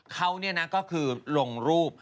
เขาเนี่ยนะก็คือลงรูป